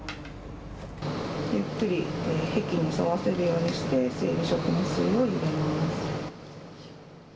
ゆっくり壁に沿わせるようにして生理食塩水を入れます。